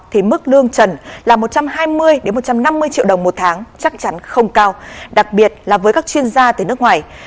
thì mức lương trần là một trăm hai mươi một trăm năm mươi triệu đồng một tháng chắc chắn không cao đặc biệt là với các chuyên gia từ nước ngoài